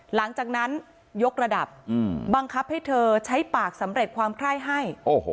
หลังจากนั้นยกระดับบังคับให้เธอใช้ปากสำเร็จความไคร้ให้